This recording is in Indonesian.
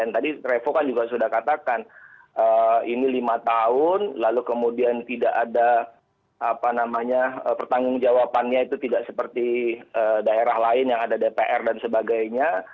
tadi revo kan juga sudah katakan ini lima tahun lalu kemudian tidak ada pertanggung jawabannya itu tidak seperti daerah lain yang ada dpr dan sebagainya